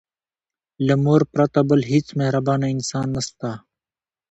له مور پرته بل هيڅ مهربانه انسان نسته.